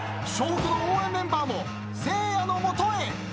北の応援メンバーもせいやの元へ。